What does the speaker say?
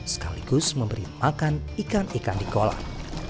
sekaligus memberi makan ikan ikan di kolam